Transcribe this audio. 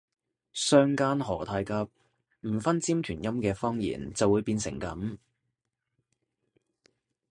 相姦何太急，唔分尖團音嘅方言就會變成噉